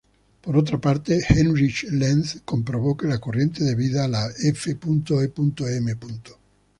Por otra parte, Heinrich Lenz comprobó que la corriente debida a la f.e.m.